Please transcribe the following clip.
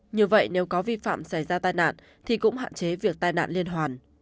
như vậy nếu có vi phạm xảy ra tai nạn thì cũng hạn chế việc tai nạn liên hoàn